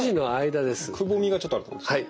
くぼみがちょっとあるところですね。